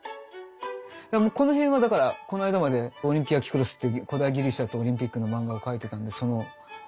この辺はだからこの間まで「オリンピア・キュクロス」っていう古代ギリシャとオリンピックの漫画を描いてたんでその資料本ですけど。